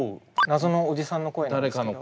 謎のおじさんの声なんですけど。